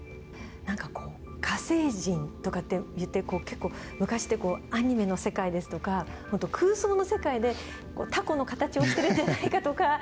なんかこう火星人とかっていって結構昔ってこうアニメの世界ですとか空想の世界でタコの形をしてるんじゃないかとか。